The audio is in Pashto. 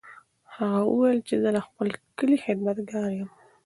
هغه وویل چې زه د خپل کلي خدمتګار یم.